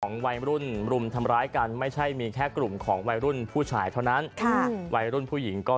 วัยรุ่นรุมทำร้ายกันไม่ใช่มีแค่กลุ่มของวัยรุ่นผู้ชายเท่านั้นค่ะวัยรุ่นผู้หญิงก็